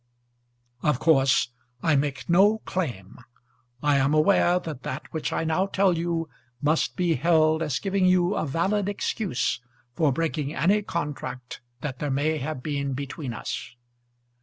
Of course I make no claim. I am aware that that which I now tell you must be held as giving you a valid excuse for breaking any contract that there may have been between us.